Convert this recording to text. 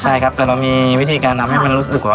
ใช่ครับแต่เรามีวิธีการทำให้มันรู้สึกว่า